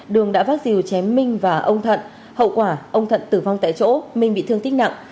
đường đã phát diều chém minh và ông thận hậu quả ông thận tử vong tại chỗ minh bị thương tích nặng